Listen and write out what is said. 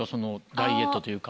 ダイエットというか。